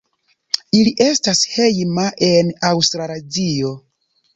Ili estas hejma en Aŭstralazio.